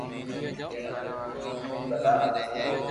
مني ھڻاو تو سھي ڀلا